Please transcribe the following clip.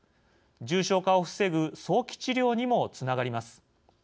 重症化を防ぐ早期治療にもつながります。